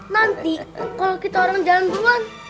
nanti kalo kita orang jalan buruan